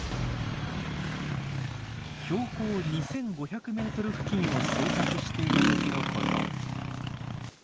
標高２，５００ｍ付近を探索していた時のこと。